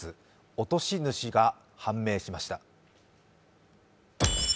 落とし主が判明しました。